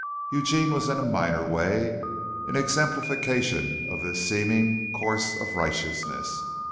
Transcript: Eugene was in a minor way an exemplification of this seeming course of righteousness.